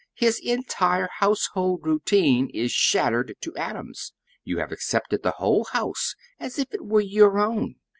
His entire household routine is shattered to atoms. You have accepted the whole house as if it were your own.